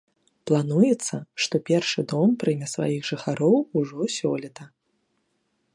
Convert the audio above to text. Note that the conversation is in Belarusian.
Плануецца, што першы дом прыме сваіх жыхароў ужо сёлета.